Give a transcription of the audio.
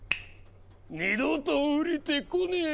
二度とおりてこねえ。